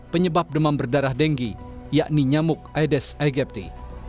penyebab demam berdarah denggi yakni nyamuk aedes aegypti